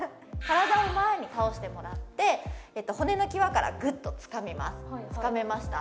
体を前に倒してもらって骨の際からグッとつかみますつかめました？